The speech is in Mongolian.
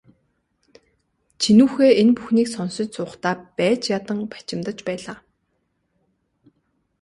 Чинүүхэй энэ бүхнийг сонсож суухдаа байж ядан бачимдаж байлаа.